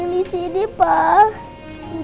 dede askara dimana